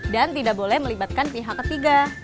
dan tidak boleh melibatkan pihak ketiga